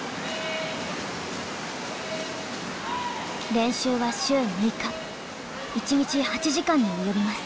練習は週６日一日８時間に及びます。